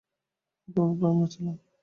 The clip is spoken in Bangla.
আমি তোমার প্রাণ বাঁচালাম।